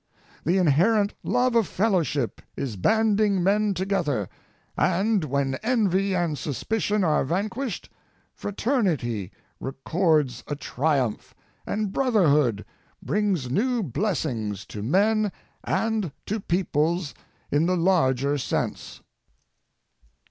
The inherent love of fellowship is banding men together, and, when envy and suspicion are vanquished, fraternity records a triumph, and brotherhood brings new blessings to men and to peoples in the larger sense.